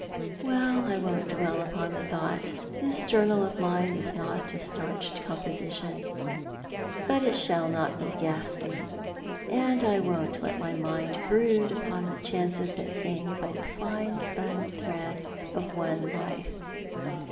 Well, I won't dwell upon the thought. This journal of mine is not a starched composition, but it shall not be ghastly. I won't let my mind brood upon the chances that hang by the fine spun thread of one life.